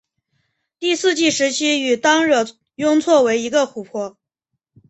第四纪时期与当惹雍错为一个湖泊。